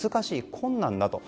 困難だと。